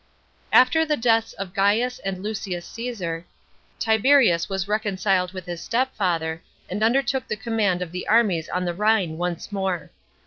After the deaths of Gaius and Lucius Caesar, Tiberius was reconciled with his stepfather, and undertook the command of the armies on the Rhine once more.